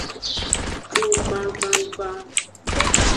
Cugban gbangban.